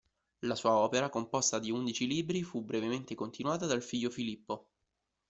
La sua opera, composta di undici libri, fu brevemente continuata dal figlio Filippo.